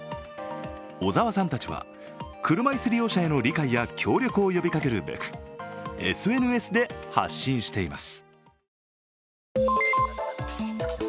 小澤さんたちは車椅子利用者への理解や協力を呼びかけるべくＳＮＳで発信しています。